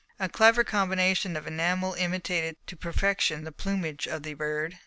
A clever combination of enamel imitated to perfection the plumage of the bird.